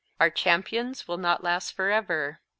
Our champions will not last forever.